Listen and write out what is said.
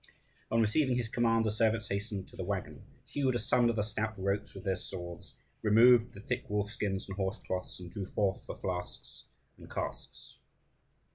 On receiving his command, the servants hastened to the waggon, hewed asunder the stout ropes with their swords, removed the thick wolf skins and horsecloths, and drew forth the flasks and casks.